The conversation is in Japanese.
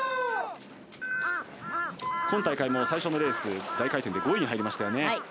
今大会も最初のレース、大回転で５位に入りました。